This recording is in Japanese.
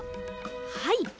はい。